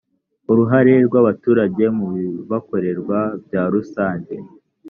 uruhare rw abaturage mu bibakorerwa byarusanjye